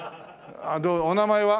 お名前は？